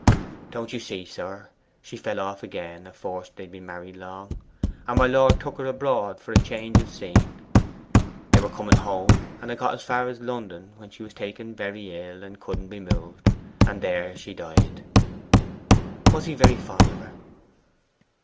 'Don't you see, sir, she fell off again afore they'd been married long, and my lord took her abroad for change of scene. They were coming home, and had got as far as London, when she was taken very ill and couldn't be moved, and there she died.' 'Was he very fond of her?